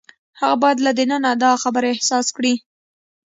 هغه باید له دننه دا خبره احساس کړي.